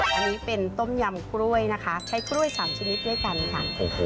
อันนี้เป็นต้มยำกล้วยนะคะใช้กล้วย๓ชนิดด้วยกันค่ะ